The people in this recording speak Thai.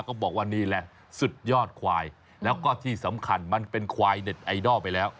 ก็บอกว่านี่แหละสุดยอดควายแล้วก็ที่สำคัญมันเป็นควายเน็ตไอดอลไปแล้ว